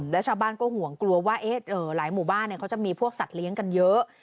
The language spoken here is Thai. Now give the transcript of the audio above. แล้วชาวบ้านก็ห่วงกลัวว่าหลายหมู่บ้านเขาจะมีพวกสัตว์เลี้ยงกันเยอะ